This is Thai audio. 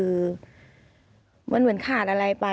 ขอมอบจากท่านรองเลยนะครับขอมอบจากท่านรองเลยนะครับขอมอบจากท่านรองเลยนะครับ